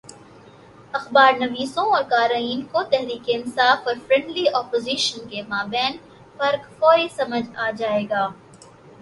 اخبارنویسوں اور قارئین کو تحریک انصاف اور فرینڈلی اپوزیشن کے مابین فرق فوری سمجھ آ جائے گا۔